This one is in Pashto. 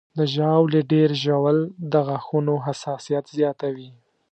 د ژاولې ډېر ژوول د غاښونو حساسیت زیاتوي.